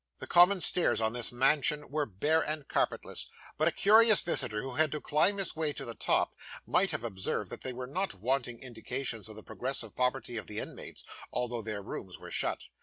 The common stairs of this mansion were bare and carpetless; but a curious visitor who had to climb his way to the top, might have observed that there were not wanting indications of the progressive poverty of the inmates, although their rooms were shut.